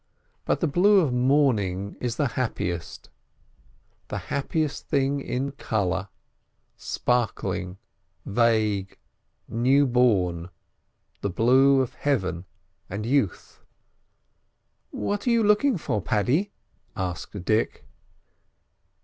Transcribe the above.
But the blue of morning is the happiest: the happiest thing in colour—sparkling, vague, newborn—the blue of heaven and youth. "What are you looking for, Paddy?" asked Dick.